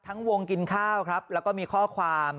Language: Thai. วงกินข้าวครับแล้วก็มีข้อความ